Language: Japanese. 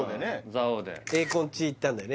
蔵王で英孝んち行ったんだよね